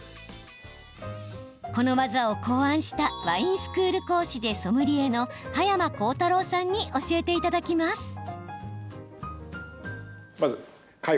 この技を考案したワインスクール講師でソムリエの葉山考太郎さんに教えていただきます。